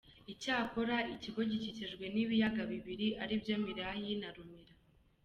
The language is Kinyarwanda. Icyakora, ikigo gikikijwe n’ibiyaga bibiri ari byo Mirayi na Rumira.